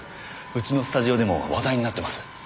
うちのスタジオでも話題になってます。